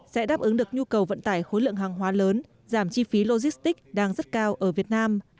sẽ đáp ứng được nhu cầu vận tải khối lượng hàng hóa lớn giảm chi phí logistics đang rất cao ở việt nam